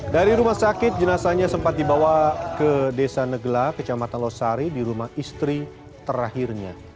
dari rumah sakit jenazahnya sempat dibawa ke desa negela kecamatan losari di rumah istri terakhirnya